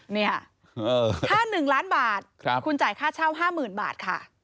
เนี่ยถ้า๑ล้านบาทคุณจ่ายค่าเช่า๕๐๐๐บาทค่ะ